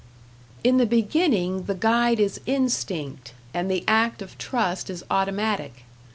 In the beginning the guide is instinct, and the act of trust is automatic.